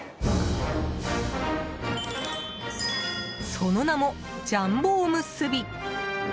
その名もジャンボおむすび。